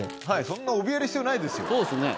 そんなおびえる必要ないですよ。